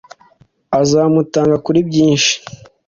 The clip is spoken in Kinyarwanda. azamutanga kuri byinshi